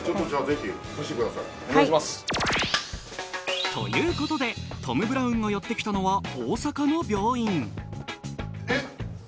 はいということでトム・ブラウンがやって来たのは大阪の病院えっ